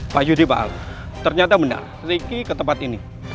pak yudi pak al ternyata benar ricky ke tempat ini